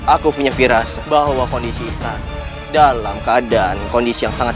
aku punya viras bahwa kondisi istana dalam keadaan kondisi yang sangat